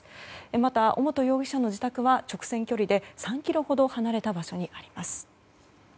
また、尾本容疑者の自宅は直線距離で３ｋｍほど離れた場所にあります。